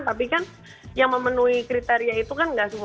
tapi kan yang memenuhi kriteria itu kan nggak semua